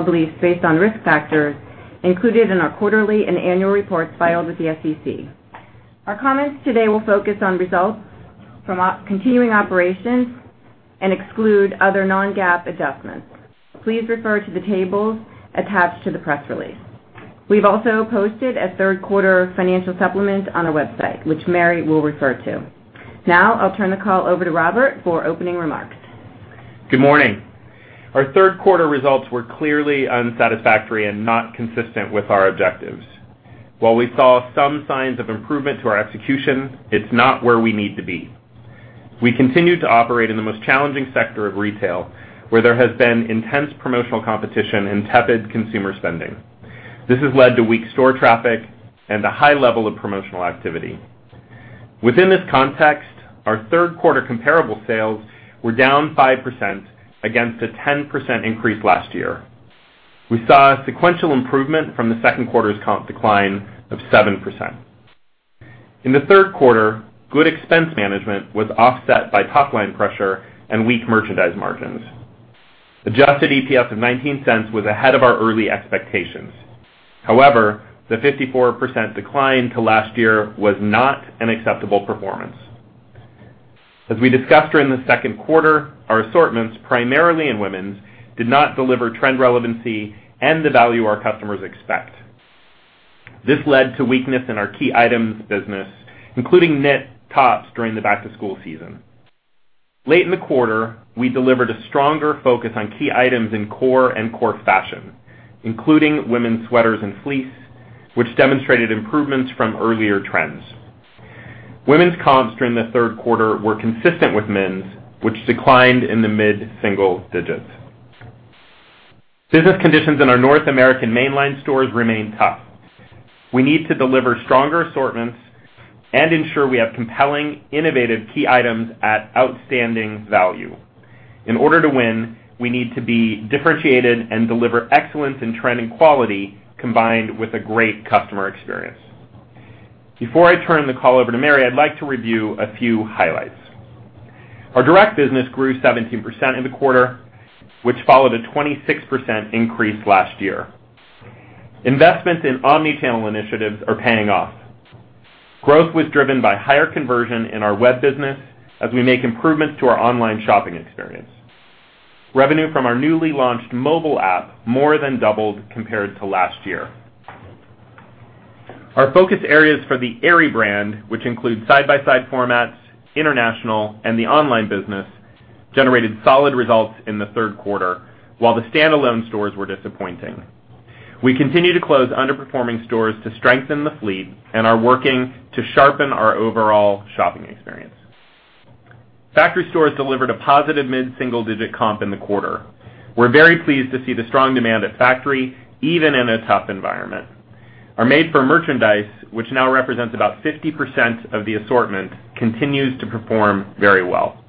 Beliefs based on risk factors included in our quarterly and annual reports filed with the SEC. Our comments today will focus on results from continuing operations and exclude other non-GAAP adjustments. Please refer to the tables attached to the press release. We've also posted a third-quarter financial supplement on our website, which Mary will refer to. Now, I'll turn the call over to Robert for opening remarks. Good morning. Our third-quarter results were clearly unsatisfactory and not consistent with our objectives. While we saw some signs of improvement to our execution, it's not where we need to be. We continue to operate in the most challenging sector of retail, where there has been intense promotional competition and tepid consumer spending. This has led to weak store traffic and a high level of promotional activity. Within this context, our third-quarter comparable sales were down 5% against a 10% increase last year. We saw a sequential improvement from the second quarter's comp decline of 7%. In the third quarter, good expense management was offset by top-line pressure and weak merchandise margins. Adjusted EPS of $0.19 was ahead of our early expectations. However, the 54% decline to last year was not an acceptable performance. As we discussed during the second quarter, our assortments, primarily in women's, did not deliver trend relevancy and the value our customers expect. This led to weakness in our key items business, including knit tops during the back-to-school season. Late in the quarter, we delivered a stronger focus on key items in core and core fashion, including women's sweaters and fleece, which demonstrated improvements from earlier trends. Women's comps during the third quarter were consistent with men's, which declined in the mid-single digits. Business conditions in our North American mainline stores remain tough. We need to deliver stronger assortments and ensure we have compelling, innovative key items at outstanding value. In order to win, we need to be differentiated and deliver excellence in trend and quality, combined with a great customer experience. Before I turn the call over to Mary, I'd like to review a few highlights. Our direct business grew 17% in the quarter, which followed a 26% increase last year. Investments in omni-channel initiatives are paying off. Growth was driven by higher conversion in our web business as we make improvements to our online shopping experience. Revenue from our newly launched mobile app more than doubled compared to last year. Our focus areas for the Aerie brand, which include side-by-side formats, international, and the online business, generated solid results in the third quarter, while the standalone stores were disappointing. We continue to close underperforming stores to strengthen the fleet and are working to sharpen our overall shopping experience. Factory stores delivered a positive mid-single-digit comp in the quarter. We're very pleased to see the strong demand at Factory, even in a tough environment. Our Made For merchandise, which now represents about 50% of the assortment, continues to perform very well.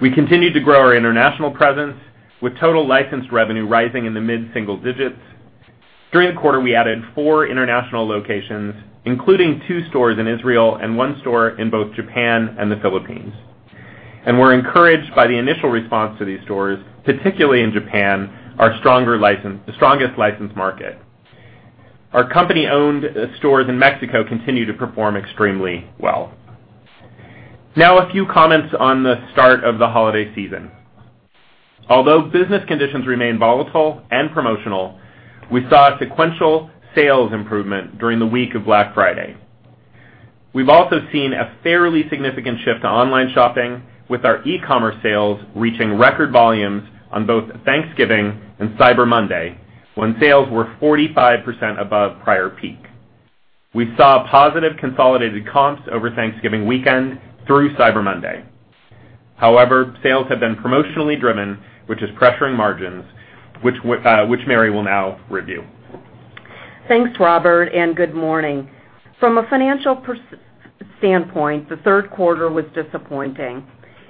We continued to grow our international presence with total licensed revenue rising in the mid-single digits. During the quarter, we added 4 international locations, including 2 stores in Israel and one store in both Japan and the Philippines. We're encouraged by the initial response to these stores, particularly in Japan, the strongest licensed market. Our company-owned stores in Mexico continue to perform extremely well. A few comments on the start of the holiday season. Although business conditions remain volatile and promotional, we saw a sequential sales improvement during the week of Black Friday. We've also seen a fairly significant shift to online shopping, with our e-commerce sales reaching record volumes on both Thanksgiving and Cyber Monday, when sales were 45% above the prior peak. We saw positive consolidated comps over Thanksgiving weekend through Cyber Monday. However, sales have been promotionally driven, which is pressuring margins, which Mary will now review. Thanks, Robert, and good morning. From a financial standpoint, the third quarter was disappointing.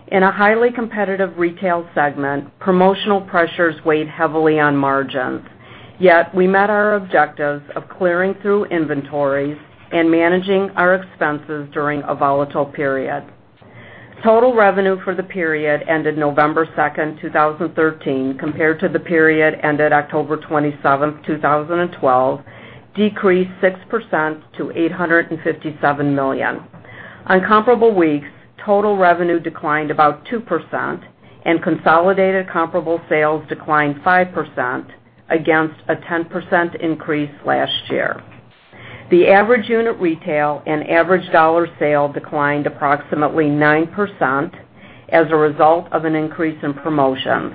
In a highly competitive retail segment, promotional pressures weighed heavily on margins. Yet, we met our objectives of clearing through inventories and managing our expenses during a volatile period. Total revenue for the period ended November 2, 2013, compared to the period ended October 27, 2012, decreased 6% to $857 million. On comparable weeks, total revenue declined about 2% and consolidated comparable sales declined 5% against a 10% increase last year. The average unit retail and average dollar sale declined approximately 9% as a result of an increase in promotions.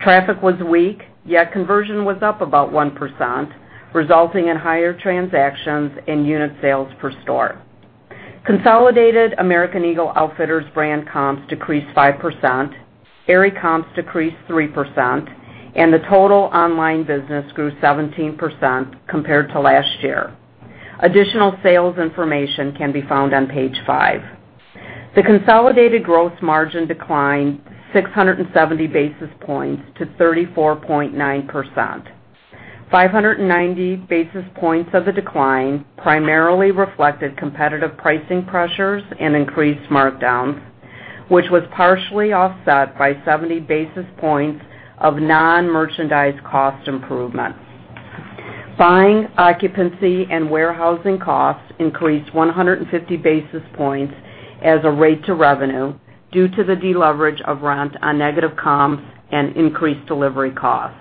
Traffic was weak, yet conversion was up about 1%, resulting in higher transactions in unit sales per store. Consolidated American Eagle Outfitters brand comps decreased 5%, Aerie comps decreased 3%, and the total online business grew 17% compared to last year. Additional sales information can be found on page five. The consolidated gross margin declined 670 basis points to 34.9%. 590 basis points of the decline primarily reflected competitive pricing pressures and increased markdowns, which was partially offset by 70 basis points of non-merchandise cost improvements. Buying occupancy and warehousing costs increased 150 basis points as a rate to revenue due to the deleverage of rent on negative comps and increased delivery costs.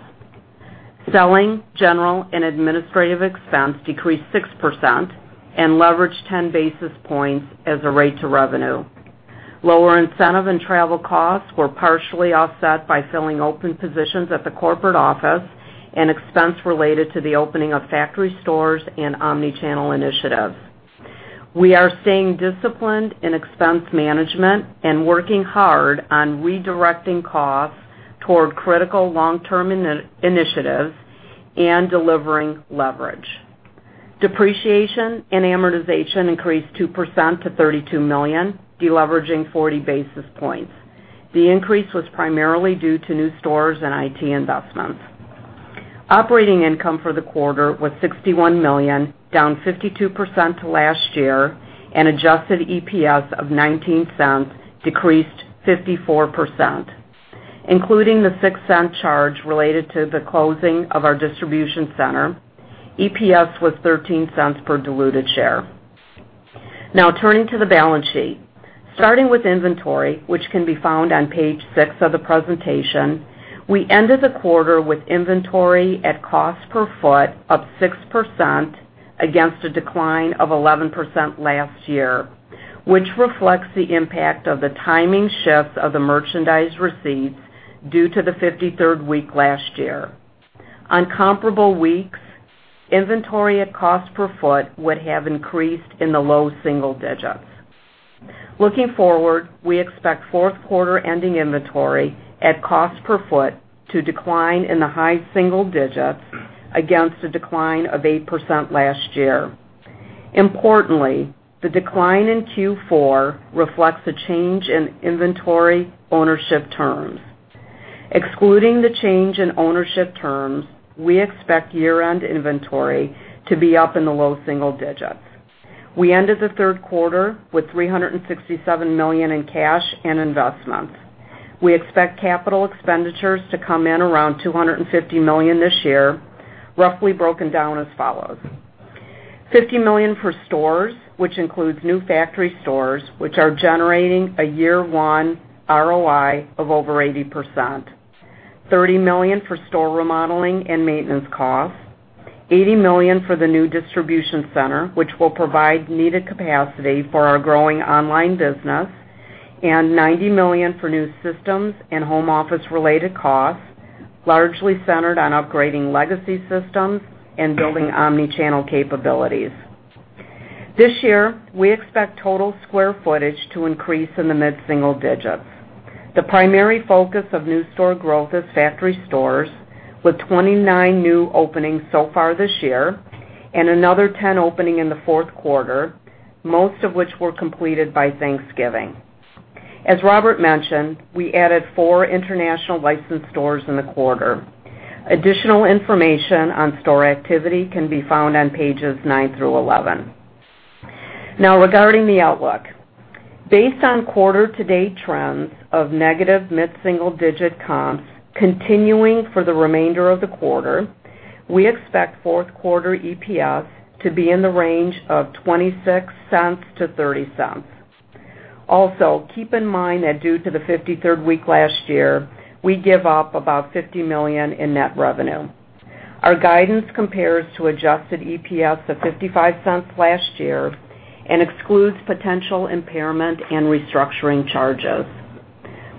Selling, General, and Administrative expense decreased 6% and leveraged 10 basis points as a rate to revenue. Lower incentive and travel costs were partially offset by filling open positions at the corporate office and expense related to the opening of factory stores and omni-channel initiatives. We are staying disciplined in expense management and working hard on redirecting costs toward critical long-term initiatives and delivering leverage. Depreciation and amortization increased 2% to $32 million, deleveraging 40 basis points. The increase was primarily due to new stores and IT investments. Operating income for the quarter was $61 million, down 52% to last year, and adjusted EPS of $0.19 decreased 54%. Including the $0.06 charge related to the closing of our distribution center, EPS was $0.13 per diluted share. Turning to the balance sheet. Starting with inventory, which can be found on page six of the presentation, we ended the quarter with inventory at cost per foot up 6% against a decline of 11% last year, which reflects the impact of the timing shifts of the merchandise receipts due to the 53rd week last year. On comparable weeks, inventory at cost per foot would have increased in the low single digits. Looking forward, we expect fourth quarter ending inventory at cost per foot to decline in the high single digits against a decline of 8% last year. Importantly, the decline in Q4 reflects a change in inventory ownership terms. Excluding the change in ownership terms, we expect year-end inventory to be up in the low single digits. We ended the third quarter with $367 million in cash and investments. We expect capital expenditures to come in around $250 million this year, roughly broken down as follows: $50 million for stores, which includes new factory stores, which are generating a year one ROI of over 80%, $30 million for store remodeling and maintenance costs, $80 million for the new distribution center, which will provide needed capacity for our growing online business, and $90 million for new systems and home office-related costs, largely centered on upgrading legacy systems and building omni-channel capabilities. This year, we expect total square footage to increase in the mid-single digits. The primary focus of new store growth is factory stores, with 29 new openings so far this year and another 10 opening in the fourth quarter, most of which were completed by Thanksgiving. As Robert mentioned, we added four international licensed stores in the quarter. Additional information on store activity can be found on pages nine through 11. Regarding the outlook. Based on quarter-to-date trends of negative mid-single-digit comps continuing for the remainder of the quarter, we expect fourth quarter EPS to be in the range of $0.26-$0.30. Also, keep in mind that due to the 53rd week last year, we give up about $50 million in net revenue. Our guidance compares to adjusted EPS of $0.55 last year and excludes potential impairment and restructuring charges.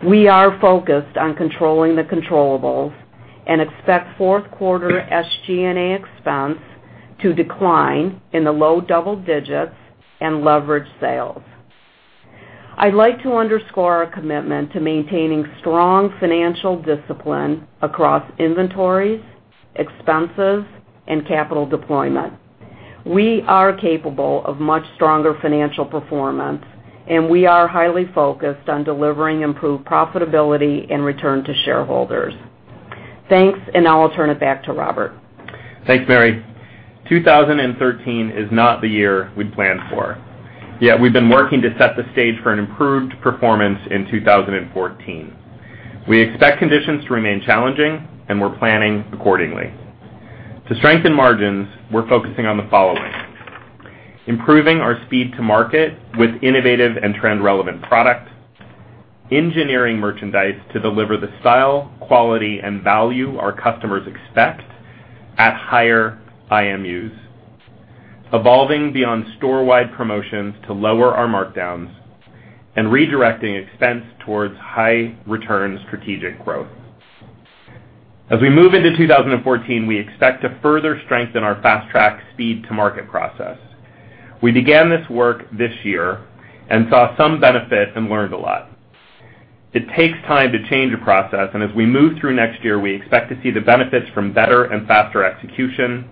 We are focused on controlling the controllables and expect fourth quarter SG&A expense to decline in the low double digits and leverage sales. I'd like to underscore our commitment to maintaining strong financial discipline across inventories, expenses, and capital deployment. We are capable of much stronger financial performance, we are highly focused on delivering improved profitability and return to shareholders. Thanks, I'll turn it back to Robert. Thanks, Mary. 2013 is not the year we planned for. We've been working to set the stage for an improved performance in 2014. We expect conditions to remain challenging, and we're planning accordingly. To strengthen margins, we're focusing on the following: improving our speed to market with innovative and trend-relevant product, engineering merchandise to deliver the style, quality, and value our customers expect at higher IMUs, evolving beyond storewide promotions to lower our markdowns, and redirecting expense towards high-return strategic growth. As we move into 2014, we expect to further strengthen our Fast Track speed-to-market process. We began this work this year and saw some benefit and learned a lot. It takes time to change a process, and as we move through next year, we expect to see the benefits from better and faster execution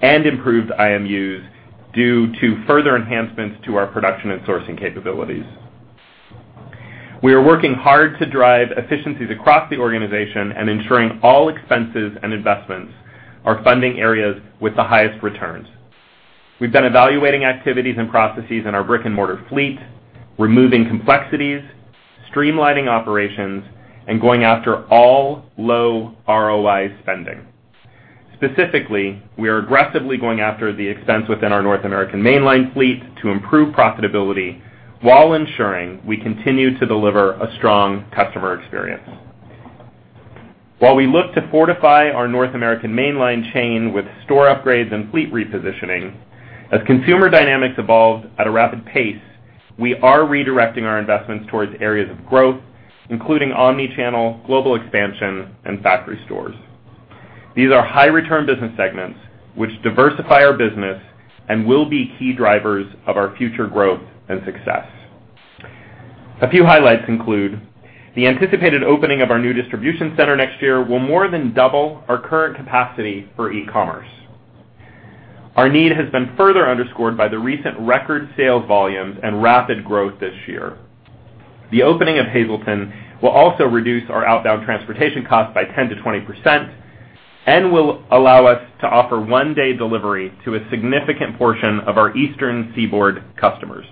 and improved IMUs due to further enhancements to our production and sourcing capabilities. We are working hard to drive efficiencies across the organization and ensuring all expenses and investments are funding areas with the highest returns. We've been evaluating activities and processes in our brick-and-mortar fleet, removing complexities, streamlining operations, and going after all low ROI spending. Specifically, we are aggressively going after the expense within our North American mainline fleet to improve profitability while ensuring we continue to deliver a strong customer experience. While we look to fortify our North American mainline chain with store upgrades and fleet repositioning, as consumer dynamics evolve at a rapid pace, we are redirecting our investments towards areas of growth, including omni-channel, global expansion, and factory stores. These are high-return business segments which diversify our business and will be key drivers of our future growth and success. A few highlights include the anticipated opening of our new distribution center next year will more than double our current capacity for e-commerce. Our need has been further underscored by the recent record sales volumes and rapid growth this year. The opening of Hazleton will also reduce our outbound transportation costs by 10%-20% and will allow us to offer one-day delivery to a significant portion of our Eastern Seaboard customers.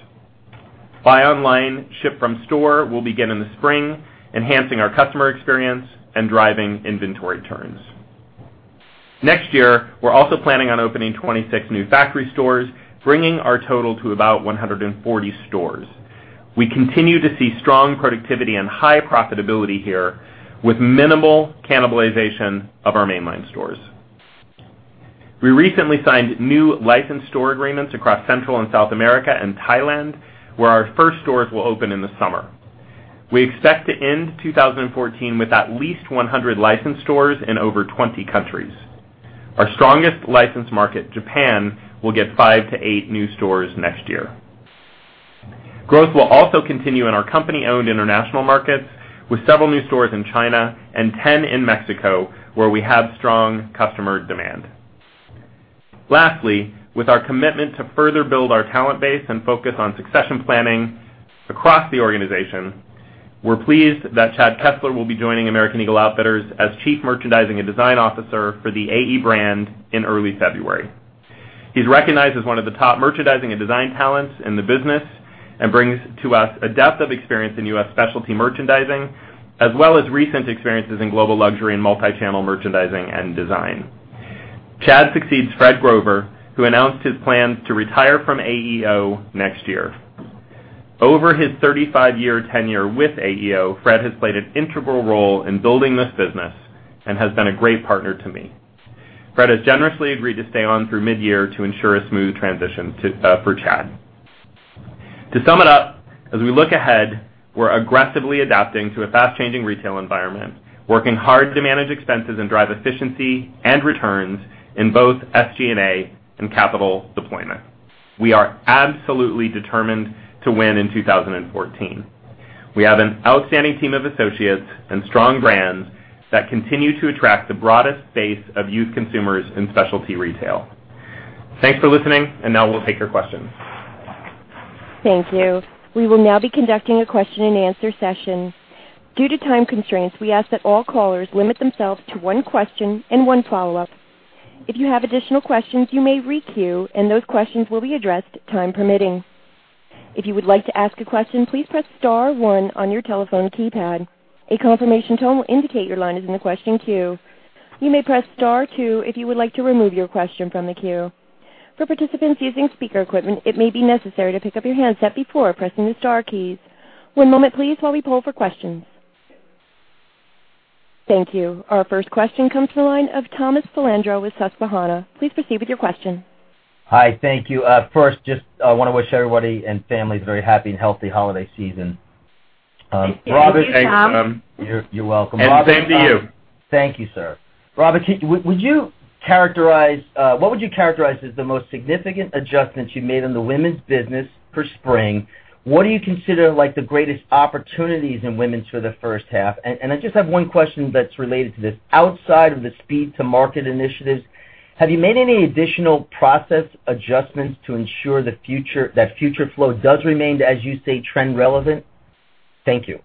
Buy online, ship from store will begin in the spring, enhancing our customer experience and driving inventory turns. Next year, we're also planning on opening 26 new factory stores, bringing our total to about 140 stores. We continue to see strong productivity and high profitability here with minimal cannibalization of our mainline stores. We recently signed new licensed store agreements across Central and South America and Thailand, where our first stores will open in the summer. We expect to end 2014 with at least 100 licensed stores in over 20 countries. Our strongest licensed market, Japan, will get five to eight new stores next year. Growth will also continue in our company-owned international markets, with several new stores in China and 10 in Mexico, where we have strong customer demand. Lastly, with our commitment to further build our talent base and focus on succession planning across the organization, we're pleased that Chad Kessler will be joining American Eagle Outfitters as Chief Merchandising and Design Officer for the AE brand in early February. He's recognized as one of the top merchandising and design talents in the business and brings to us a depth of experience in U.S. specialty merchandising, as well as recent experiences in global luxury and multi-channel merchandising and design. Chad succeeds Fred Grover, who announced his plans to retire from AEO next year. Over his 35-year tenure with AEO, Fred has played an integral role in building this business and has been a great partner to me. Fred has generously agreed to stay on through mid-year to ensure a smooth transition for Chad. To sum it up, as we look ahead, we're aggressively adapting to a fast-changing retail environment, working hard to manage expenses and drive efficiency and returns in both SGA and capital deployment. We are absolutely determined to win in 2014. We have an outstanding team of associates and strong brands that continue to attract the broadest base of youth consumers in specialty retail. Thanks for listening. Now we'll take your questions. Thank you. We will now be conducting a question and answer session. Due to time constraints, we ask that all callers limit themselves to one question and one follow-up. If you have additional questions, you may re-queue. Those questions will be addressed, time permitting. If you would like to ask a question, please press star one on your telephone keypad. A confirmation tone will indicate your line is in the question queue. You may press star two if you would like to remove your question from the queue. For participants using speaker equipment, it may be necessary to pick up your handset before pressing the star keys. One moment, please, while we poll for questions. Thank you. Our first question comes from the line of Thomas Filandro with Susquehanna. Please proceed with your question. Hi. Thank you. First, just want to wish everybody and families a very happy and healthy holiday season. Thank you, Tom. You're welcome. Same to you. Thank you, sir. Robert, what would you characterize as the most significant adjustments you made in the women's business for spring? What do you consider the greatest opportunities in women's for the first half? I just have one question that's related to this. Outside of the speed to market initiatives, have you made any additional process adjustments to ensure that future flow does remain, as you say, trend relevant? Thank you.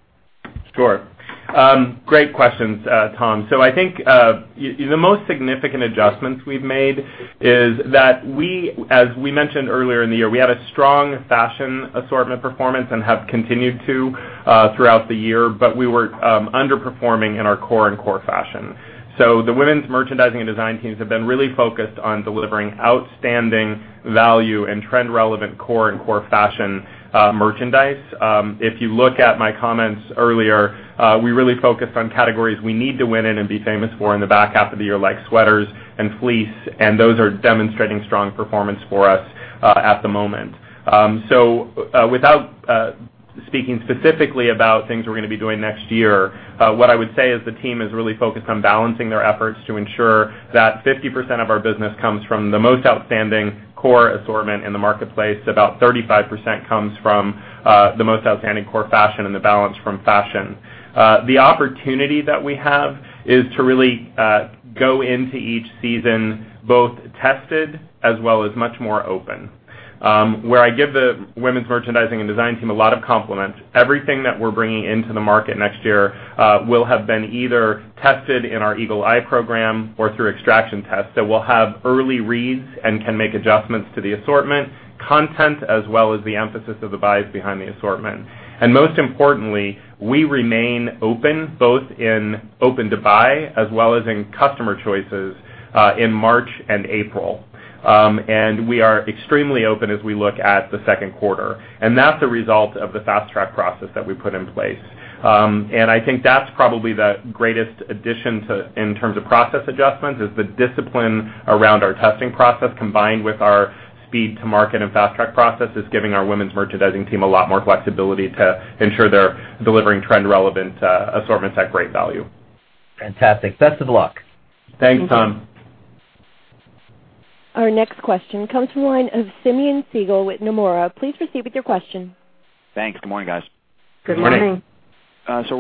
Sure. Great questions, Tom. I think the most significant adjustments we've made is that as we mentioned earlier in the year, we had a strong fashion assortment performance and have continued to throughout the year, but we were underperforming in our core and core fashion. The women's merchandising and design teams have been really focused on delivering outstanding value and trend-relevant core and core fashion merchandise. If you look at my comments earlier, we really focused on categories we need to win in and be famous for in the back half of the year, like sweaters and fleece, and those are demonstrating strong performance for us at the moment. Without speaking specifically about things we're going to be doing next year, what I would say is the team is really focused on balancing their efforts to ensure that 50% of our business comes from the most outstanding core assortment in the marketplace. About 35% comes from the most outstanding core fashion and the balance from fashion. The opportunity that we have is to really go into each season both tested as well as much more open. Where I give the women's merchandising and design team a lot of compliments. Everything that we're bringing into the market next year will have been either tested in our Eagle Eye program or through extraction tests. We'll have early reads and can make adjustments to the assortment content, as well as the emphasis of the buys behind the assortment. Most importantly, we remain open, both in open to buy as well as in customer choices, in March and April. We are extremely open as we look at the second quarter. That's a result of the Fast Track process that we put in place. I think that's probably the greatest addition in terms of process adjustments, is the discipline around our testing process, combined with our speed to market and Fast Track process, is giving our women's merchandising team a lot more flexibility to ensure they're delivering trend relevant assortments at great value. Fantastic. Best of luck. Thanks, Tom. Our next question comes from the line of Simeon Siegel with Nomura. Please proceed with your question. Thanks. Good morning, guys. Good morning. Good morning.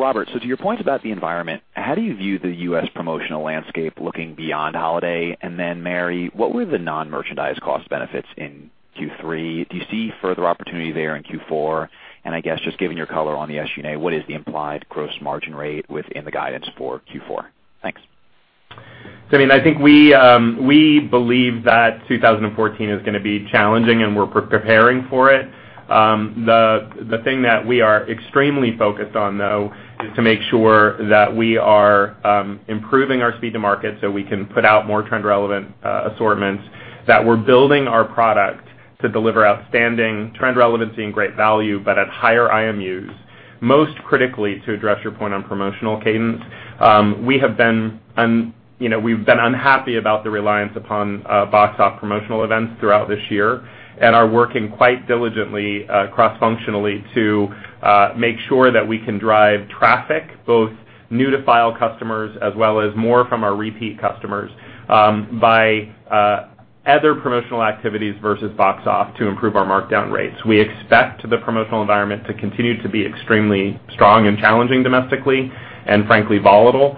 Robert, to your point about the environment, how do you view the U.S. promotional landscape looking beyond holiday? Mary, what were the non-merchandise cost benefits in Q3? Do you see further opportunity there in Q4? I guess just giving your color on the SG&A, what is the implied gross margin rate within the guidance for Q4? Thanks. Simeon, I think we believe that 2014 is going to be challenging, and we're preparing for it. The thing that we are extremely focused on, though, is to make sure that we are improving our speed to market so we can put out more trend relevant assortments, that we're building our product to deliver outstanding trend relevancy and great value, but at higher IMU. Most critically, to address your point on promotional cadence, we've been unhappy about the reliance upon box off promotional events throughout this year, and are working quite diligently, cross-functionally, to make sure that we can drive traffic, both new to file customers as well as more from our repeat customers, by other promotional activities versus box off to improve our markdown rates. We expect the promotional environment to continue to be extremely strong and challenging domestically and frankly volatile.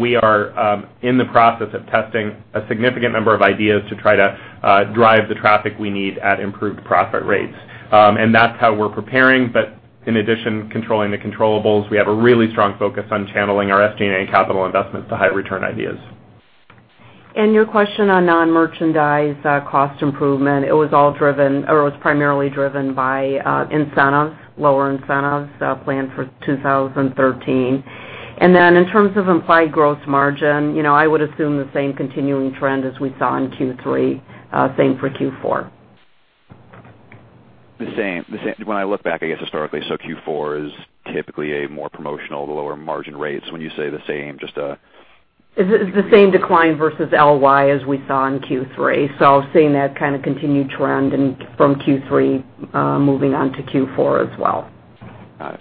We are in the process of testing a significant number of ideas to try to drive the traffic we need at improved profit rates. That's how we're preparing. In addition, controlling the controllables, we have a really strong focus on channeling our SG&A and capital investments to high return ideas. Your question on non-merchandise cost improvement, it was primarily driven by lower incentives planned for 2013. In terms of implied gross margin, I would assume the same continuing trend as we saw in Q3, same for Q4. The same. When I look back, I guess historically, Q4 is typically a more promotional, the lower margin rates. When you say the same, It's the same decline versus LY as we saw in Q3. Seeing that kind of continued trend from Q3 moving on to Q4 as well. Got it.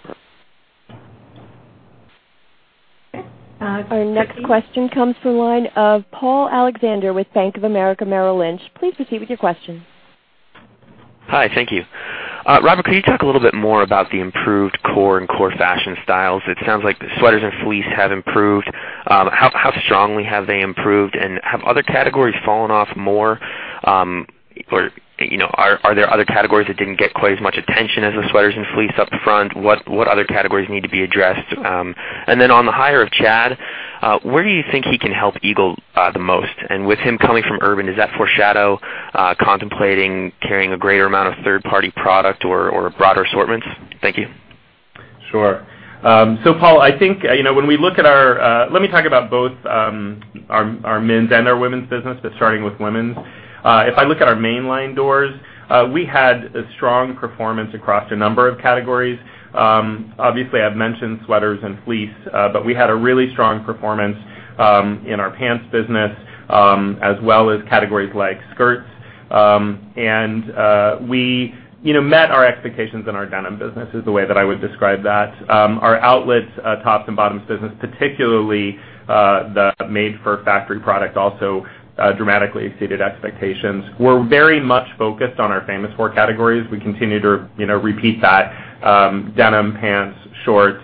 Our next question comes from the line of Paul Alexander with Bank of America Merrill Lynch. Please proceed with your question. Hi. Thank you. Robert, could you talk a little bit more about the improved core and core fashion styles? It sounds like the sweaters and fleece have improved. How strongly have they improved, and have other categories fallen off more? Are there other categories that didn't get quite as much attention as the sweaters and fleece up front? What other categories need to be addressed? Then on the hire of Chad, where do you think he can help Eagle the most? With him coming from Urban, does that foreshadow contemplating carrying a greater amount of third-party product or broader assortments? Thank you. Sure. Paul, let me talk about both our men's and our women's business, starting with women's. If I look at our mainline doors, we had a strong performance across a number of categories. Obviously, I've mentioned sweaters and fleece. We had a really strong performance in our pants business, as well as categories like skirts. We met our expectations in our denim business, is the way that I would describe that. Our outlets tops and bottoms business, particularly the Made For factory product, also dramatically exceeded expectations. We're very much focused on our Famous Four categories. We continue to repeat that. Denim, pants, shorts,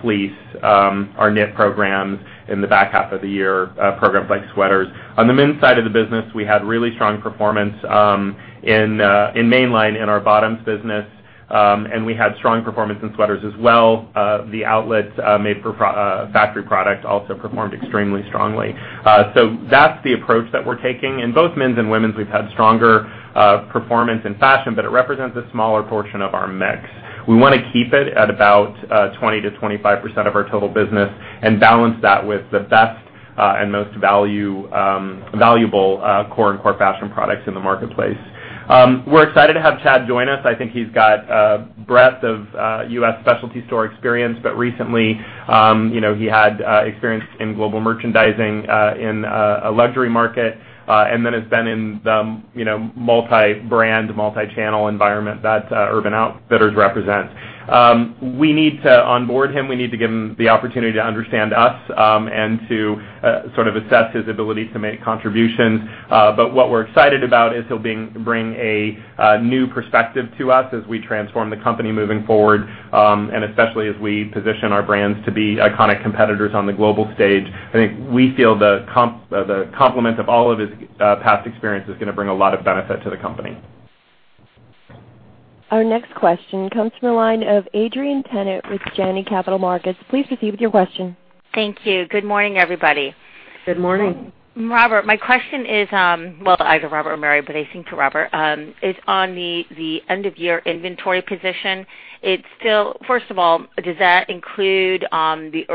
fleece, our knit programs in the back half of the year, programs like sweaters. On the men's side of the business, we had really strong performance in mainline in our bottoms business. We had strong performance in sweaters as well. The outlets Made For factory product also performed extremely strongly. That's the approach that we're taking. In both men's and women's, we've had stronger performance in fashion, it represents a smaller portion of our mix. We want to keep it at about 20%-25% of our total business and balance that with the best and most valuable core and core fashion products in the marketplace. We're excited to have Chad join us. I think he's got a breadth of U.S. specialty store experience, recently he had experience in global merchandising in a luxury market, then has been in the multi-brand, multi-channel environment that Urban Outfitters represents. We need to onboard him. We need to give him the opportunity to understand us and to sort of assess his ability to make contributions. What we're excited about is he'll bring a new perspective to us as we transform the company moving forward, especially as we position our brands to be iconic competitors on the global stage. I think we feel the complement of all of his past experience is going to bring a lot of benefit to the company. Our next question comes from the line of Adrienne Tennant with Janney Montgomery Scott. Please proceed with your question. Thank you. Good morning, everybody. Good morning. Robert, my question is, well, either Robert or Mary, but I think to Robert, is on the end of year inventory position. First of all, does that include any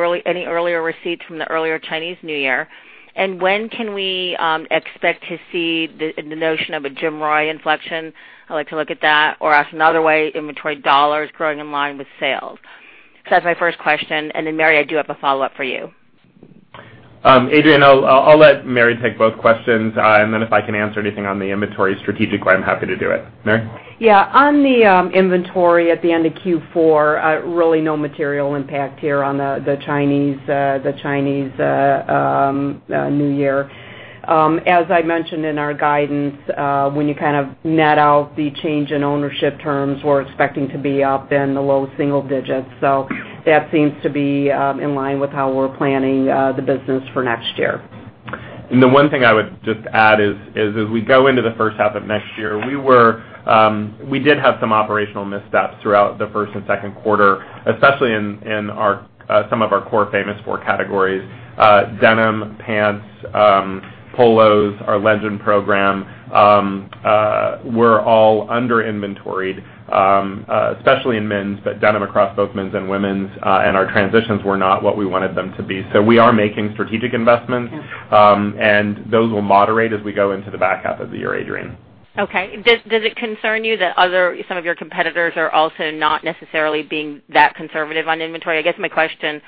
earlier receipts from the earlier Chinese New Year? When can we expect to see the notion of a GMROI inflection? I like to look at that. Asked another way, inventory dollars growing in line with sales. That's my first question. Mary, I do have a follow-up for you. Adrienne, I'll let Mary take both questions. Then if I can answer anything on the inventory strategic way, I'm happy to do it. Mary? Yeah. On the inventory at the end of Q4, really no material impact here on the Chinese New Year. As I mentioned in our guidance, when you net out the change in ownership terms, we're expecting to be up in the low single digits. That seems to be in line with how we're planning the business for next year. The one thing I would just add is, as we go into the first half of next year, we did have some operational missteps throughout the first and second quarter, especially in some of our core Famous Four categories: denim, pants, polos, our Legend program, were all under inventoried, especially in men's, but denim across both men's and women's, and our transitions were not what we wanted them to be. We are making strategic investments. Yeah. Those will moderate as we go into the back half of the year, Adrienne. Okay. Does it concern you that some of your competitors are also not necessarily being that conservative on inventory? I guess my question is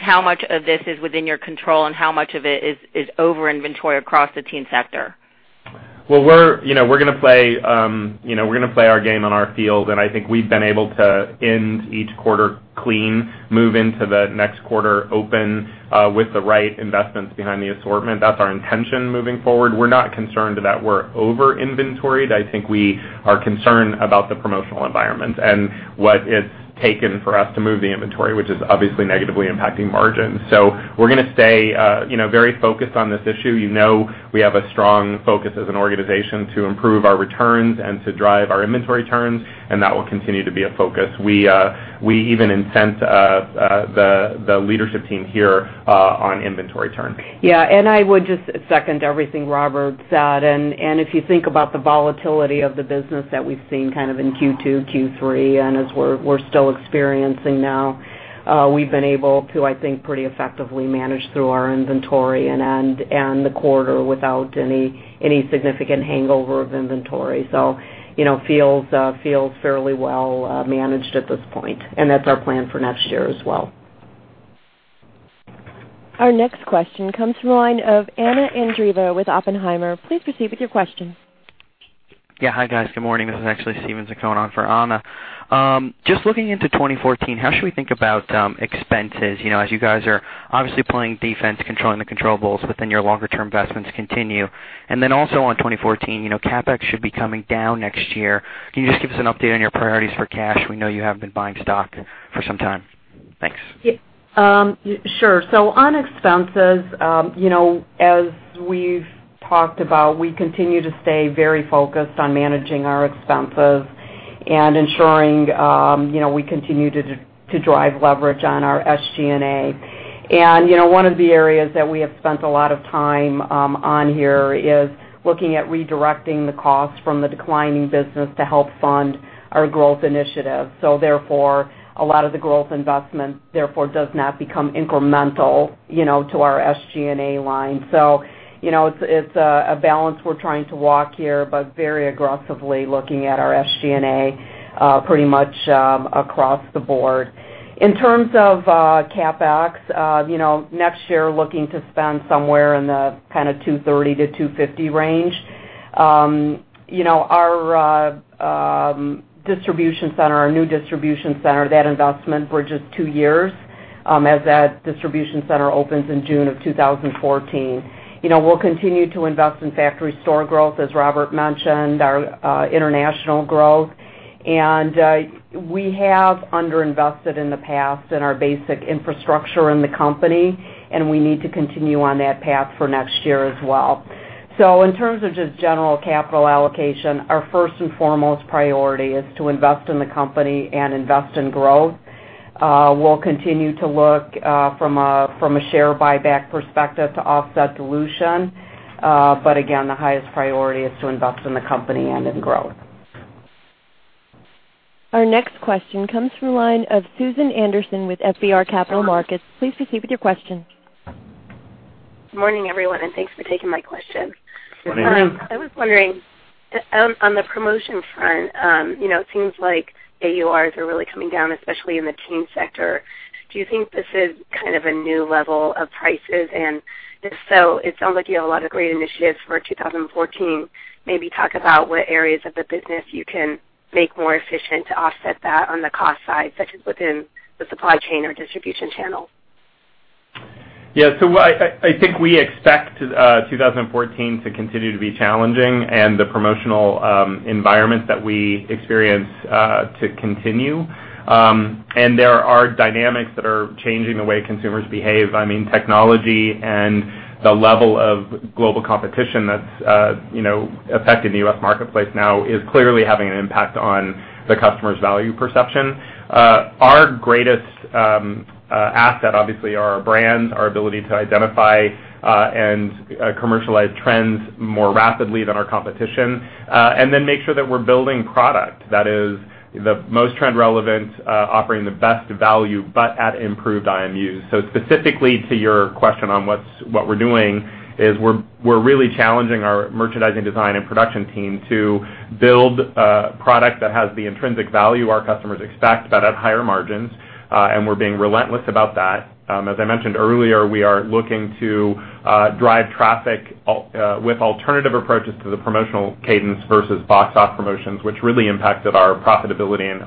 how much of this is within your control, and how much of it is over inventory across the teen sector? We're going to play our game on our field, and I think we've been able to end each quarter clean, move into the next quarter open, with the right investments behind the assortment. That's our intention moving forward. We're not concerned that we're over inventoried. I think we are concerned about the promotional environment and what it's taken for us to move the inventory, which is obviously negatively impacting margins. We're going to stay very focused on this issue. You know we have a strong focus as an organization to improve our returns and to drive our inventory turns, and that will continue to be a focus. We even incent the leadership team here on inventory turn. Yeah. I would just second everything Robert said. If you think about the volatility of the business that we've seen in Q2, Q3, and as we're still experiencing now, we've been able to, I think, pretty effectively manage through our inventory and end the quarter without any significant hangover of inventory. Feels fairly well managed at this point, and that's our plan for next year as well. Our next question comes from the line of Anna Andreeva with Oppenheimer. Please proceed with your question. Hi, guys. Good morning. This is actually Steven Zaccone on for Anna. Just looking into 2014, how should we think about expenses, as you guys are obviously playing defense, controlling the controllables within your longer term investments continue. Also on 2014, CapEx should be coming down next year. Can you just give us an update on your priorities for cash? We know you have been buying stock for some time. Thanks. Sure. On expenses, as we've talked about, we continue to stay very focused on managing our expenses and ensuring we continue to drive leverage on our SG&A. One of the areas that we have spent a lot of time on here is looking at redirecting the cost from the declining business to help fund our growth initiatives. Therefore, a lot of the growth investment, therefore, does not become incremental to our SG&A line. It's a balance we're trying to walk here, but very aggressively looking at our SG&A pretty much across the board. In terms of CapEx, next year looking to spend somewhere in the kind of $230-$250 range. Our new distribution center, that investment bridges two years, as that distribution center opens in June of 2014. We'll continue to invest in factory store growth, as Robert mentioned, our international growth. We have under-invested in the past in our basic infrastructure in the company, and we need to continue on that path for next year as well. In terms of just general capital allocation, our first and foremost priority is to invest in the company and invest in growth. We'll continue to look from a share buyback perspective to offset dilution. Again, the highest priority is to invest in the company and in growth. Our next question comes from the line of Susan Anderson with FBR Capital Markets. Please proceed with your question. Good morning, everyone, thanks for taking my question. Good morning. Good morning. I was wondering, on the promotion front, it seems like AURs are really coming down, especially in the teen sector. Do you think this is kind of a new level of prices? If so, it sounds like you have a lot of great initiatives for 2014. Maybe talk about what areas of the business you can make more efficient to offset that on the cost side, such as within the supply chain or distribution channel. Yeah. I think we expect 2014 to continue to be challenging and the promotional environment that we experience to continue. There are dynamics that are changing the way consumers behave. Technology and the level of global competition that's affecting the U.S. marketplace now is clearly having an impact on the customer's value perception. Our greatest asset obviously are our brands, our ability to identify and commercialize trends more rapidly than our competition, and then make sure that we're building product that is the most trend relevant offering the best value but at improved IMUs. Specifically to your question on what we're doing is we're really challenging our merchandising design and production team to build a product that has the intrinsic value our customers expect, but at higher margins. We're being relentless about that. As I mentioned earlier, we are looking to drive traffic, with alternative approaches to the promotional cadence versus box off promotions, which really impacted our profitability and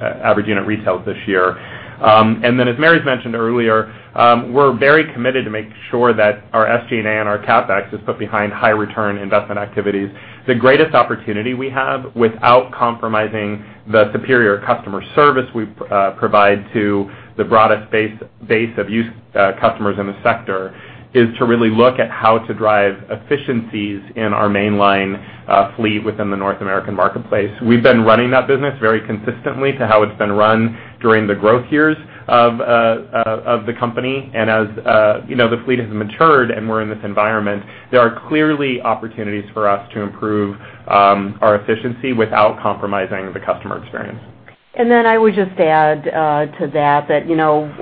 average unit retail this year. As Mary's mentioned earlier, we're very committed to make sure that our SG&A and our CapEx is put behind high return investment activities. The greatest opportunity we have without compromising the superior customer service we provide to the broadest base of customers in the sector, is to really look at how to drive efficiencies in our mainline fleet within the North American marketplace. We've been running that business very consistently to how it's been run during the growth years of the company. As the fleet has matured and we're in this environment, there are clearly opportunities for us to improve our efficiency without compromising the customer experience. I would just add to that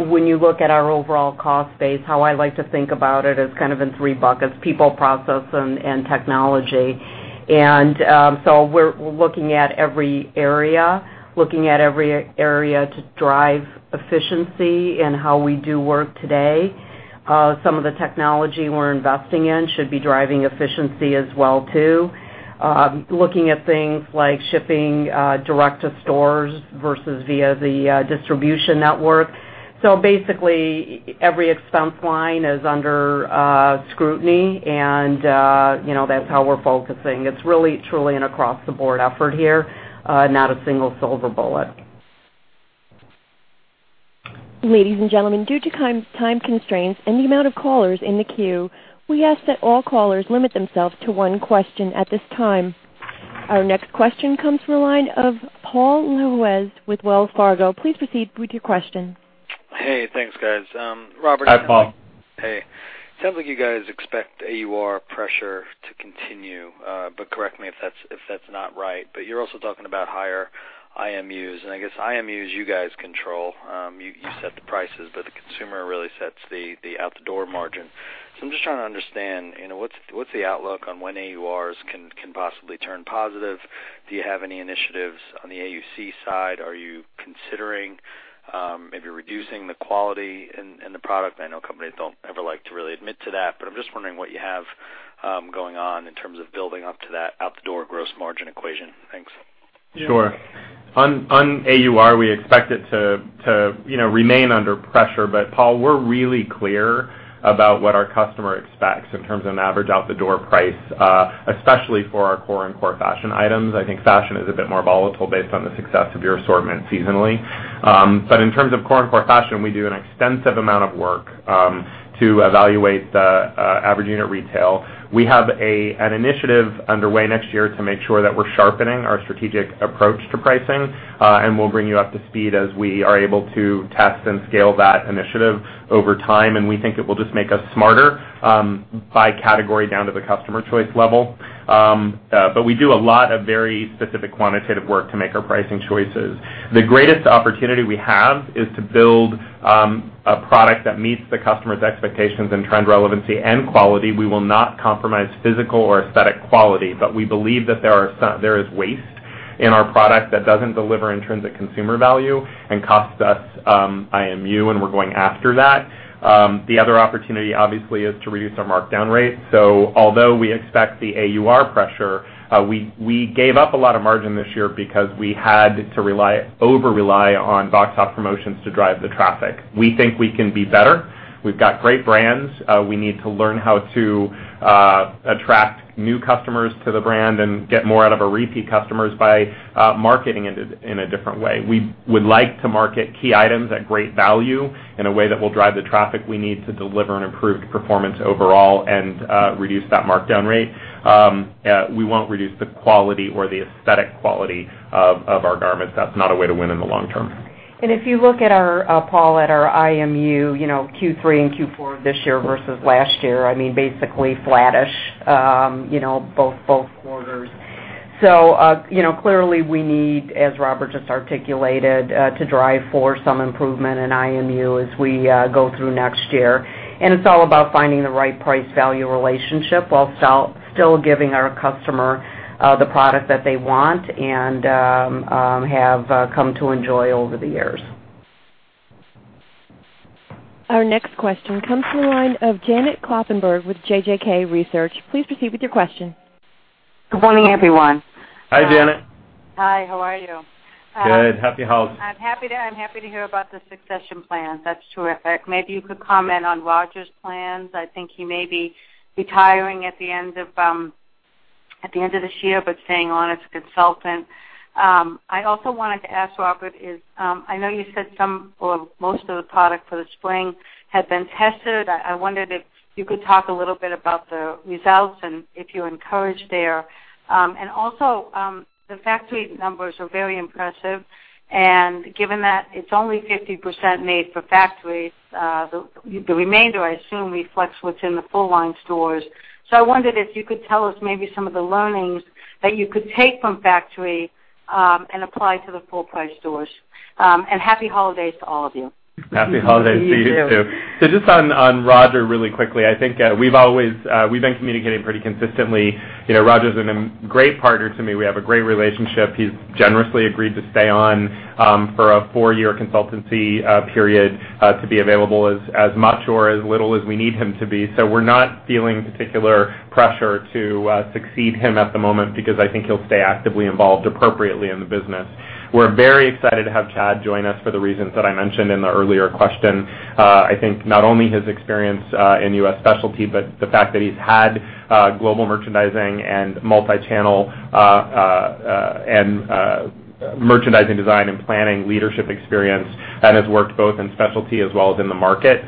when you look at our overall cost base, how I like to think about it as kind of in three buckets, people, process, and technology. We're looking at every area, looking at every area to drive efficiency in how we do work today. Some of the technology we're investing in should be driving efficiency as well too. Looking at things like shipping direct to stores versus via the distribution network. Basically, every expense line is under scrutiny and that's how we're focusing. It's really truly an across the board effort here, not a single silver bullet. Ladies and gentlemen, due to time constraints and the amount of callers in the queue, we ask that all callers limit themselves to one question at this time. Our next question comes from the line of Paul Lejuez with Wells Fargo. Please proceed with your question. Hey, thanks, guys. Hi, Paul. Hey, sounds like you guys expect AUR pressure to continue, correct me if that's not right. You're also talking about higher IMU, and I guess IMU you guys control. You set the prices, but the consumer really sets the out the door margin. I'm just trying to understand, what's the outlook on when AURs can possibly turn positive? Do you have any initiatives on the AUC side? Are you considering, maybe reducing the quality in the product? I know companies don't ever like to really admit to that, but I'm just wondering what you have going on in terms of building up to that out the door gross margin equation. Thanks. Sure, on AUR, we expect it to remain under pressure. Paul, we're really clear about what our customer expects in terms of an average out the door price, especially for our core and core fashion items. I think fashion is a bit more volatile based on the success of your assortment seasonally. In terms of core and core fashion, we do an extensive amount of work to evaluate the average unit retail. We have an initiative underway next year to make sure that we're sharpening our strategic approach to pricing. We'll bring you up to speed as we are able to test and scale that initiative over time, and we think it will just make us smarter, by category down to the customer choice level. We do a lot of very specific quantitative work to make our pricing choices. The greatest opportunity we have is to build a product that meets the customer's expectations in trend relevancy and quality. We will not compromise physical or aesthetic quality, but we believe that there is waste in our product that doesn't deliver intrinsic consumer value and costs us IMU, and we're going after that. The other opportunity obviously is to reduce our markdown rate. Although we expect the AUR pressure, we gave up a lot of margin this year because we had to over rely on box off promotions to drive the traffic. We think we can be better. We've got great brands. We need to learn how to attract new customers to the brand and get more out of our repeat customers by marketing in a different way. We would like to market key items at great value in a way that will drive the traffic we need to deliver an improved performance overall and reduce that markdown rate. We won't reduce the quality or the aesthetic quality of our garments. That's not a way to win in the long term. If you look at our, Paul, at our IMU Q3 and Q4 of this year versus last year, basically flattish both quarters. Clearly we need, as Robert just articulated, to drive for some improvement in IMU as we go through next year. It's all about finding the right price value relationship while still giving our customer the product that they want and have come to enjoy over the years. Our next question comes from the line of Janet Kloppenburg with JJK Research. Please proceed with your question. Good morning, everyone. Hi, Janet. Hi, how are you? Good. Happy holidays. I'm happy to hear about the succession plan. That's terrific. Maybe you could comment on Roger's plans. I think he may be retiring at the end of this year, but staying on as a consultant. I also wanted to ask, Robert, I know you said some or most of the product for the spring had been tested. I wondered if you could talk a little bit about the results and if you're encouraged there. Also, the factory numbers are very impressive, and given that it's only 50% made for factories, the remainder, I assume, reflects what's in the full line stores. I wondered if you could tell us maybe some of the learnings that you could take from factory and apply to the full-price stores. Happy holidays to all of you. Happy holidays to you, too. Just on Roger, really quickly, I think we've been communicating pretty consistently. Roger's a great partner to me. We have a great relationship. He's generously agreed to stay on for a four-year consultancy period to be available as much or as little as we need him to be. We're not feeling particular pressure to succeed him at the moment because I think he'll stay actively involved appropriately in the business. We're very excited to have Chad join us for the reasons that I mentioned in the earlier question. I think not only his experience in U.S. specialty, but the fact that he's had global merchandising and multi-channel and merchandising design and planning leadership experience and has worked both in specialty as well as in the market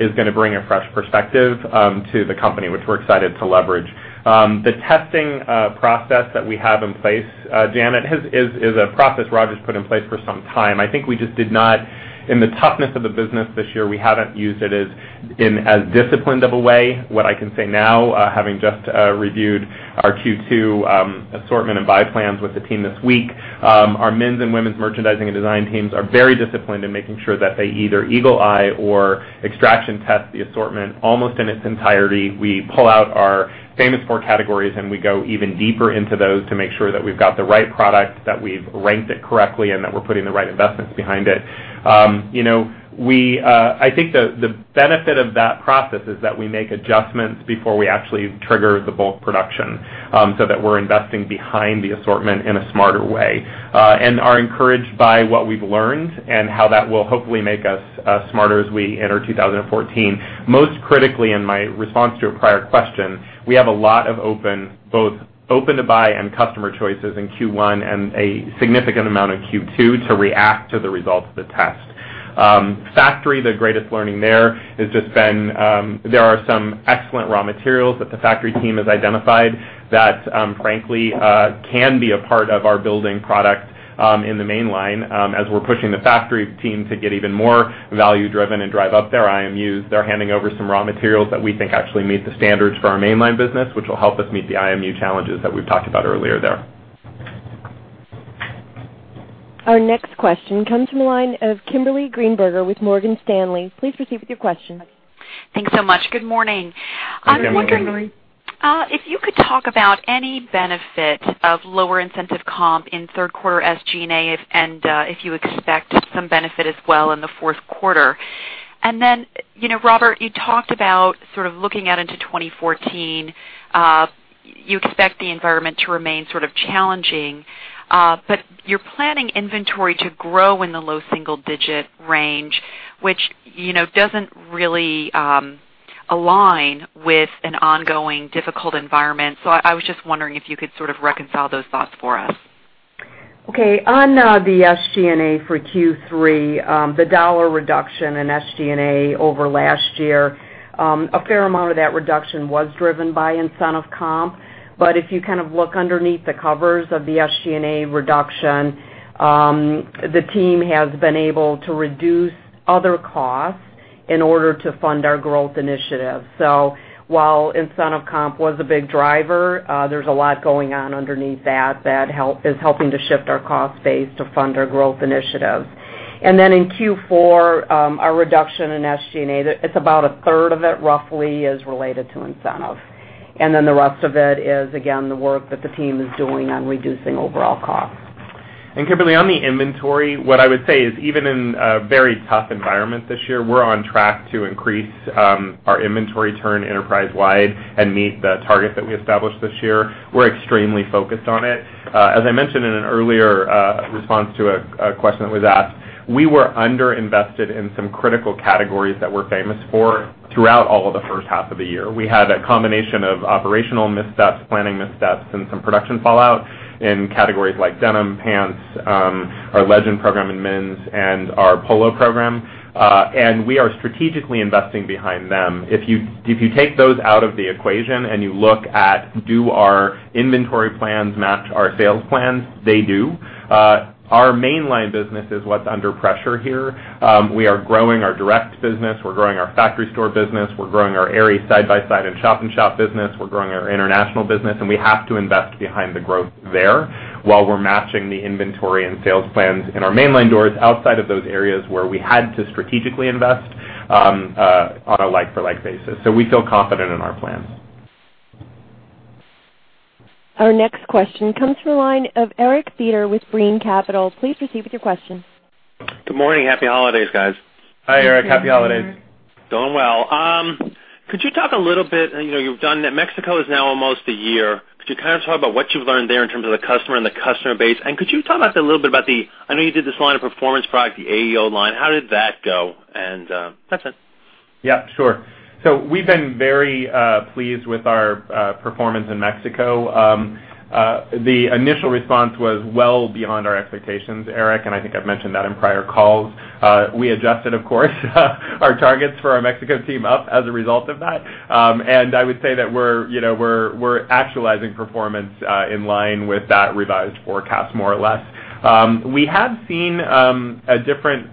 is going to bring a fresh perspective to the company, which we're excited to leverage. The testing process that we have in place, Janet, is a process Roger's put in place for some time. I think we just did not, in the toughness of the business this year, we haven't used it in as disciplined of a way. What I can say now, having just reviewed our Q2 assortment and buy plans with the team this week, our men's and women's merchandising and design teams are very disciplined in making sure that they either eagle eye or extraction test the assortment almost in its entirety. We pull out our Famous Four categories, we go even deeper into those to make sure that we've got the right product, that we've ranked it correctly, and that we're putting the right investments behind it. I think the benefit of that process is that we make adjustments before we actually trigger the bulk production so that we're investing behind the assortment in a smarter way and are encouraged by what we've learned and how that will hopefully make us smarter as we enter 2014. Most critically, in my response to a prior question, we have a lot of both open to buy and customer choices in Q1 and a significant amount in Q2 to react to the results of the test. Factory, the greatest learning there is just been there are some excellent raw materials that the factory team has identified that frankly, can be a part of our building product in the main line as we're pushing the factory team to get even more value driven and drive up their IMUs. They're handing over some raw materials that we think actually meet the standards for our main line business, which will help us meet the IMU challenges that we've talked about earlier there. Our next question comes from the line of Kimberly Greenberger with Morgan Stanley. Please proceed with your question. Thanks so much. Good morning. Hi, Kimberly. I was wondering if you could talk about any benefit of lower incentive comp in third quarter SG&A and if you expect some benefit as well in the fourth quarter. Robert, you talked about sort of looking out into 2014. You expect the environment to remain sort of challenging. You're planning inventory to grow in the low single-digit range, which doesn't really align with an ongoing difficult environment. I was just wondering if you could sort of reconcile those thoughts for us. Okay. On the SG&A for Q3, the $ reduction in SG&A over last year, a fair amount of that reduction was driven by incentive comp. If you kind of look underneath the covers of the SG&A reduction, the team has been able to reduce other costs in order to fund our growth initiative. In Q4, our reduction in SG&A, it's about a third of it, roughly, is related to incentive. The rest of it is, again, the work that the team is doing on reducing overall costs. Kimberly, on the inventory, what I would say is even in a very tough environment this year, we're on track to increase our inventory turn enterprise wide and meet the target that we established this year. We're extremely focused on it. As I mentioned in an earlier response to a question that was asked, we were underinvested in some critical categories that we're famous for throughout all of the first half of the year. We had a combination of operational missteps, planning missteps, and some production fallout in categories like denim, pants, our Legend program in men's, and our Polo program. We are strategically investing behind them. If you take those out of the equation and you look at do our inventory plans match our sales plans, they do. Our mainline business is what's under pressure here. We are growing our direct business. We're growing our factory store business. We're growing our Aerie side-by-side and shop-in-shop business. We're growing our international business, we have to invest behind the growth there while we're matching the inventory and sales plans in our mainline doors outside of those areas where we had to strategically invest on a like-for-like basis. We feel confident in our plans. Our next question comes from the line of Eric Beder with Brean Capital. Please proceed with your question. Good morning. Happy holidays, guys. Hi, Eric. Happy holidays. Doing well. Could you talk a little bit, Mexico is now almost a year. Could you talk about what you've learned there in terms of the customer and the customer base? Could you talk a little bit about the, I know you did this line of performance product, the AE line. How did that go? That's it. We've been very pleased with our performance in Mexico. The initial response was well beyond our expectations, Eric, I think I've mentioned that in prior calls. We adjusted, of course, our targets for our Mexico team up as a result of that. I would say that we're actualizing performance in line with that revised forecast, more or less. We have seen a different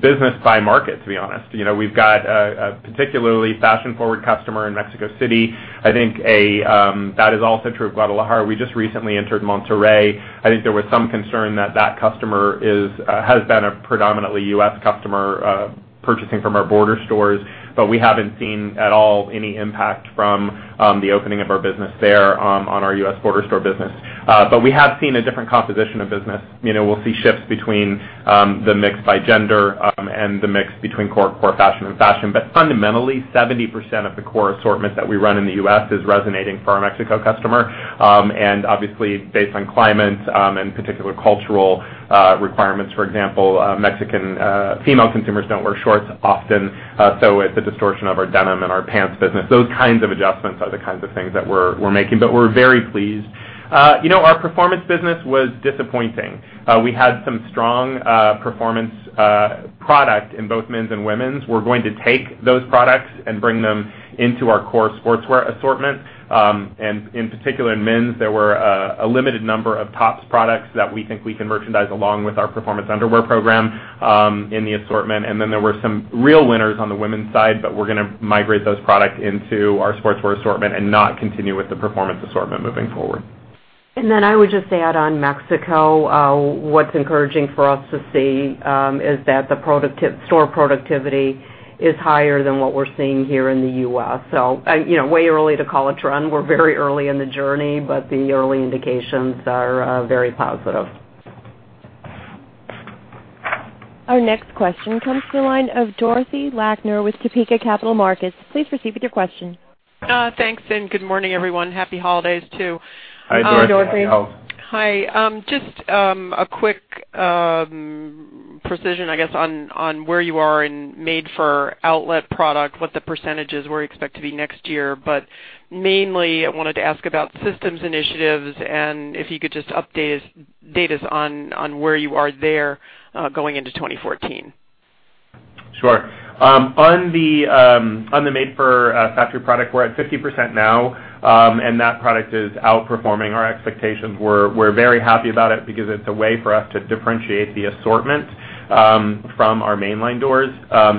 business by market, to be honest. We've got a particularly fashion-forward customer in Mexico City. I think that is also true of Guadalajara. We just recently entered Monterrey. I think there was some concern that that customer has been a predominantly U.S. customer purchasing from our border stores. We haven't seen at all any impact from the opening of our business there on our U.S. border store business. We have seen a different composition of business. We'll see shifts between the mix by gender and the mix between core fashion and fashion. Fundamentally, 70% of the core assortment that we run in the U.S. is resonating for our Mexico customer. Obviously, based on climate and particular cultural requirements, for example, Mexican female consumers don't wear shorts often, so it's a distortion of our denim and our pants business. Those kinds of adjustments are the kinds of things that we're making, we're very pleased. Our performance business was disappointing. We had some strong performance product in both men's and women's. We're going to take those products and bring them into our core sportswear assortment. In particular, in men's, there were a limited number of tops products that we think we can merchandise along with our performance underwear program in the assortment. There were some real winners on the women's side, we're going to migrate those products into our sportswear assortment and not continue with the performance assortment moving forward. I would just add on Mexico, what's encouraging for us to see is that the store productivity is higher than what we're seeing here in the U.S. Way early to call a trend. We're very early in the journey, the early indications are very positive. Our next question comes from the line of Dorothy Lakner with Topeka Capital Markets. Please proceed with your question. Thanks, good morning, everyone. Happy holidays, too. Hi, Dorothy. How are you? Hi. Just a quick precision, I guess, on where you are in made for outlet product, what the percentages, where you expect to be next year. Mainly, I wanted to ask about systems initiatives and if you could just update us on where you are there going into 2014. Sure. On the made for factory product, we're at 50% now, that product is outperforming our expectations. We're very happy about it because it's a way for us to differentiate the assortment from our mainline doors.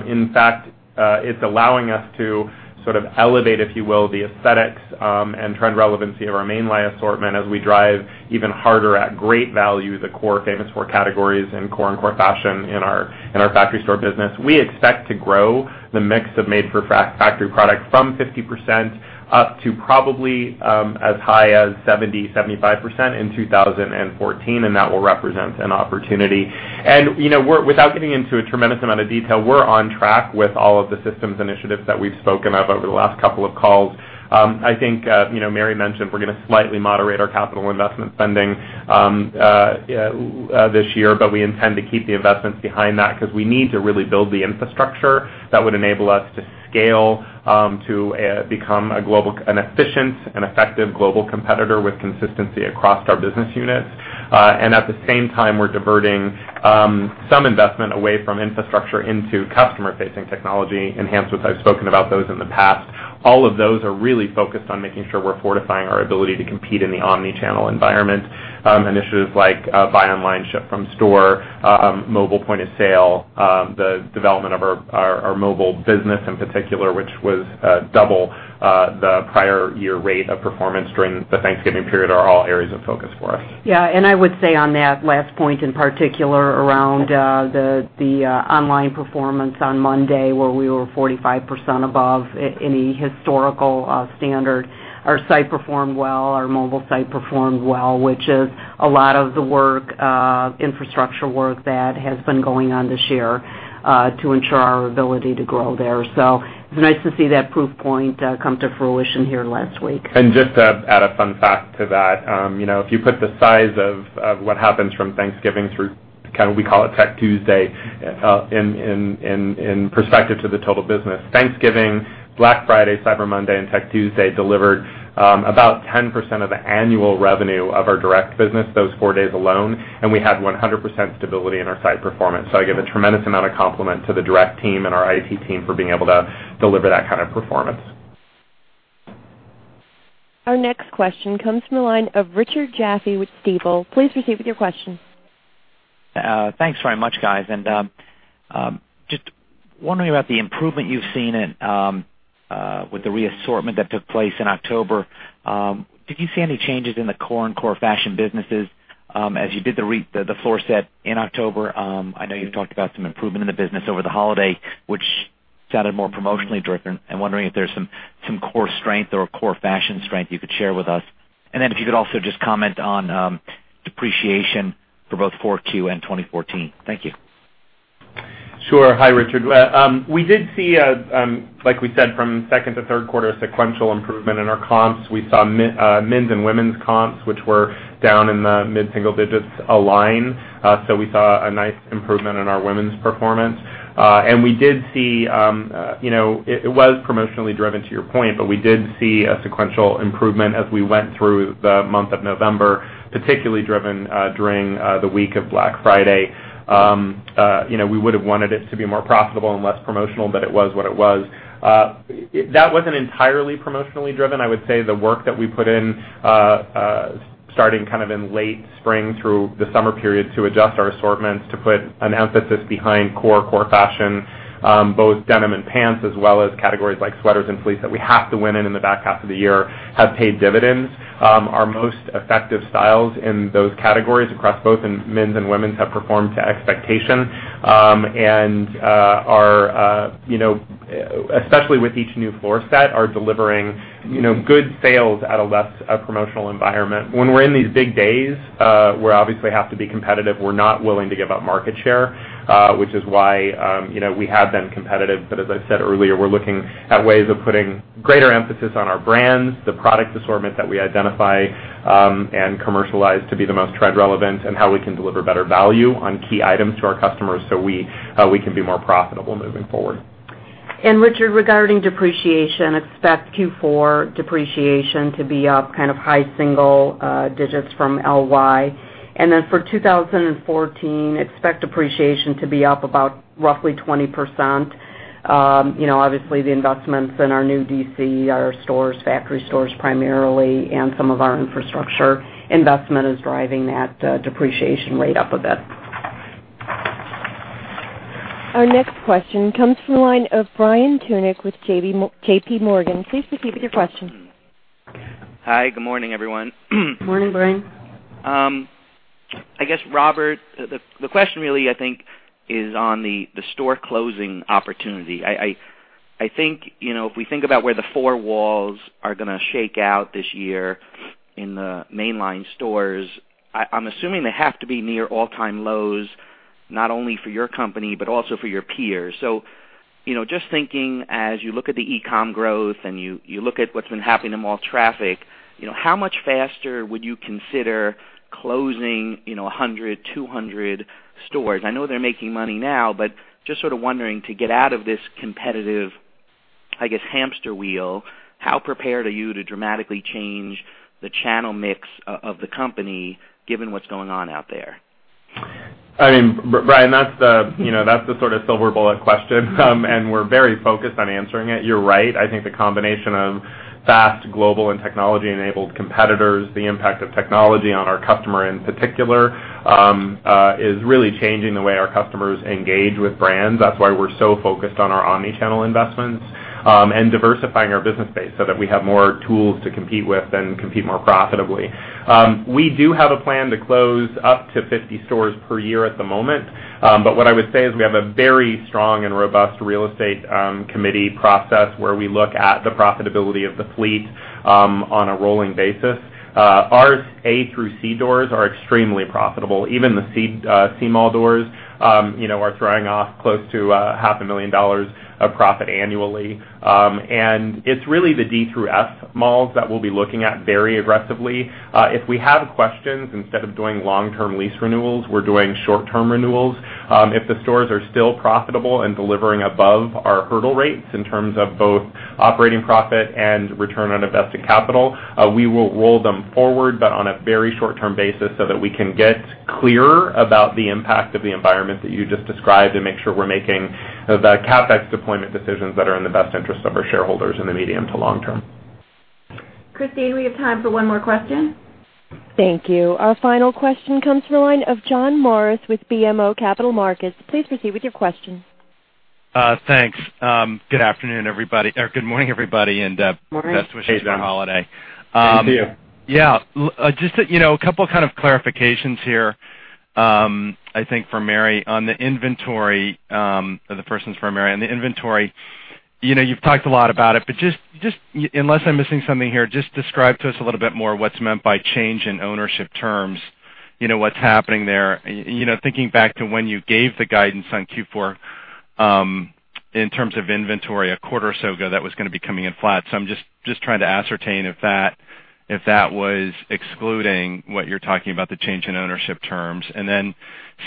In fact, it's allowing us to sort of elevate, if you will, the aesthetics and trend relevancy of our mainline assortment as we drive even harder at great value the core Famous Four categories in core and core fashion in our factory store business. We expect to grow the mix of made for factory product from 50% up to probably as high as 70%-75% in 2014, that will represent an opportunity. Without getting into a tremendous amount of detail, we're on track with all of the systems initiatives that we've spoken of over the last couple of calls. I think Mary mentioned we're going to slightly moderate our capital investment spending this year, we intend to keep the investments behind that because we need to really build the infrastructure that would enable us to scale to become an efficient and effective global competitor with consistency across our business units. At the same time, we're diverting some investment away from infrastructure into customer-facing technology enhancements. I've spoken about those in the past. All of those are really focused on making sure we're fortifying our ability to compete in the omni-channel environment. Initiatives like buy online, ship from store, mobile point of sale, the development of our mobile business in particular, which was double the prior year rate of performance during the Thanksgiving period, are all areas of focus for us. Yeah. I would say on that last point, in particular, around the online performance on Monday, where we were 45% above any historical standard. Our site performed well, our mobile site performed well, which is a lot of the infrastructure work that has been going on this year to ensure our ability to grow there. It's nice to see that proof point come to fruition here last week. Just to add a fun fact to that. If you put the size of what happens from Thanksgiving through kind of we call it Giving Tuesday in perspective to the total business. Thanksgiving, Black Friday, Cyber Monday, and Giving Tuesday delivered about 10% of the annual revenue of our direct business those four days alone. We had 100% stability in our site performance. I give a tremendous amount of compliment to the direct team and our IT team for being able to deliver that kind of performance. Our next question comes from the line of Richard Jaffe with Stifel. Please proceed with your question. Thanks very much, guys. Just wondering about the improvement you've seen with the re-assortment that took place in October. Did you see any changes in the core and core fashion businesses as you did the floor set in October? I know you've talked about some improvement in the business over the holiday, which sounded more promotionally driven. I'm wondering if there's some core strength or core fashion strength you could share with us. Then if you could also just comment on Depreciation for both 4Q and 2014. Thank you. Sure. Hi, Richard. We did see, like we said, from second to third quarter sequential improvement in our comps. We saw men's and women's comps, which were down in the mid-single digits align. We saw a nice improvement in our women's performance. We did see It was promotionally driven, to your point, but we did see a sequential improvement as we went through the month of November, particularly driven during the week of Black Friday. We would have wanted it to be more profitable and less promotional, but it was what it was. That wasn't entirely promotionally driven. I would say the work that we put in, starting in late spring through the summer period to adjust our assortments, to put an emphasis behind core fashion, both denim and pants, as well as categories like sweaters and fleece that we have to win in in the back half of the year, have paid dividends. Our most effective styles in those categories across both in men's and women's have performed to expectation. Especially with each new floor set, are delivering good sales at a less promotional environment. When we're in these big days, we obviously have to be competitive. We're not willing to give up market share, which is why we have been competitive. As I said earlier, we're looking at ways of putting greater emphasis on our brands, the product assortment that we identify and commercialize to be the most trend relevant, and how we can deliver better value on key items to our customers so we can be more profitable moving forward. Richard, regarding depreciation, expect Q4 depreciation to be up high single digits from LY. For 2014, expect depreciation to be up about roughly 20%. Obviously, the investments in our new DC, our stores, factory stores primarily, and some of our infrastructure investment is driving that depreciation rate up a bit. Our next question comes from the line of Brian Tunick with JPMorgan. Please proceed with your question. Hi, good morning, everyone. Morning, Brian. I guess, Robert, the question really, I think, is on the store closing opportunity. I think, if we think about where the four walls are going to shake out this year in the mainline stores, I'm assuming they have to be near all-time lows, not only for your company but also for your peers. Just thinking as you look at the e-com growth and you look at what's been happening to mall traffic, how much faster would you consider closing 100, 200 stores? I know they're making money now, but just sort of wondering to get out of this competitive, I guess, hamster wheel, how prepared are you to dramatically change the channel mix of the company given what's going on out there? Brian, that's the sort of silver bullet question. We're very focused on answering it. You're right. I think the combination of fast global and technology-enabled competitors, the impact of technology on our customer in particular, is really changing the way our customers engage with brands. That's why we're so focused on our omni-channel investments, diversifying our business base so that we have more tools to compete with and compete more profitably. We do have a plan to close up to 50 stores per year at the moment. What I would say is we have a very strong and robust real estate committee process where we look at the profitability of the fleet on a rolling basis. Our A through C doors are extremely profitable. Even the C mall doors are throwing off close to half a million dollars of profit annually. It's really the D through F malls that we'll be looking at very aggressively. If we have questions, instead of doing long-term lease renewals, we're doing short-term renewals. If the stores are still profitable and delivering above our hurdle rates in terms of both operating profit and return on invested capital, we will roll them forward, but on a very short-term basis so that we can get clearer about the impact of the environment that you just described and make sure we're making the CapEx deployment decisions that are in the best interest of our shareholders in the medium to long term. Christine, we have time for one more question. Thank you. Our final question comes from the line of John Morris with BMO Capital Markets. Please proceed with your question. Thanks. Good afternoon, everybody. Or good morning, everybody. Morning. Best wishes on holiday. Thank you. Just a couple kind of clarifications here. I think for Mary on the inventory This first one's for Mary. On the inventory, you've talked a lot about it, but just, unless I'm missing something here, just describe to us a little bit more what's meant by change in ownership terms. What's happening there? Thinking back to when you gave the guidance on Q4, in terms of inventory a quarter or so ago, that was going to be coming in flat. I'm just trying to ascertain if that was excluding what you're talking about, the change in ownership terms. Then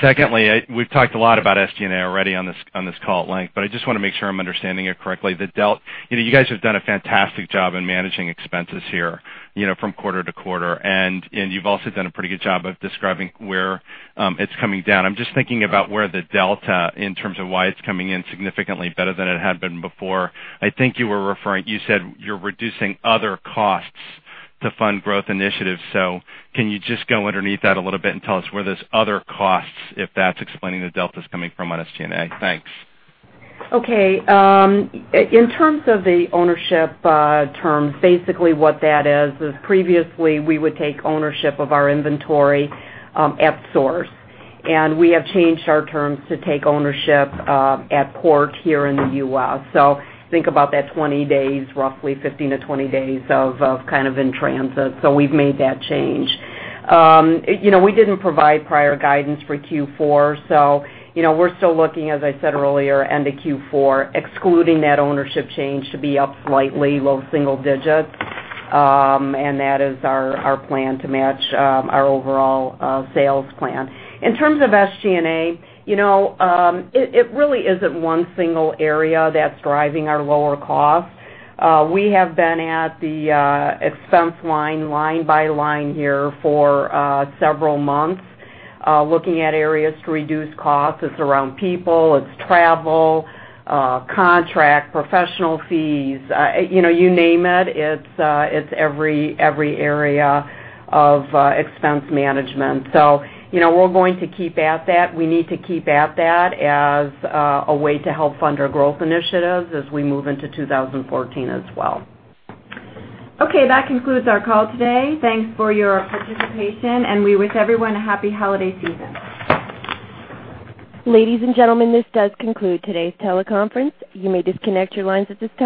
secondly, we've talked a lot about SG&A already on this call at length, but I just want to make sure I'm understanding it correctly. You guys have done a fantastic job in managing expenses here from quarter to quarter, you've also done a pretty good job of describing where it's coming down. I'm just thinking about where the delta in terms of why it's coming in significantly better than it had been before. I think you were referring, you said you're reducing other costs to fund growth initiatives. Can you just go underneath that a little bit and tell us where those other costs, if that's explaining where delta's coming from on SG&A. Thanks. Okay. In terms of the ownership terms, basically what that is previously we would take ownership of our inventory at source. We have changed our terms to take ownership at port here in the U.S. Think about that 20 days, roughly 15-20 days of kind of in transit. We've made that change. We didn't provide prior guidance for Q4, we're still looking, as I said earlier, end of Q4, excluding that ownership change to be up slightly, low single digits. That is our plan to match our overall sales plan. In terms of SG&A, it really isn't one single area that's driving our lower cost. We have been at the expense line by line here for several months. Looking at areas to reduce cost. It's around people, it's travel, contract, professional fees. You name it's every area of expense management. We're going to keep at that. We need to keep at that as a way to help fund our growth initiatives as we move into 2014 as well. Okay, that concludes our call today. Thanks for your participation, we wish everyone a happy holiday season. Ladies and gentlemen, this does conclude today's teleconference. You may disconnect your lines at this time.